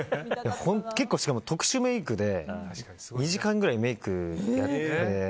結構、しかも特殊メイクで２時間ぐらいメイクやって。